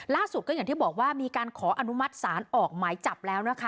ก็อย่างที่บอกว่ามีการขออนุมัติศาลออกหมายจับแล้วนะคะ